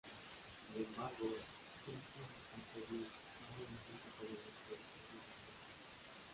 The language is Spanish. Sin embargo, estos se está perdiendo, ahora la gente come mas productos industriales.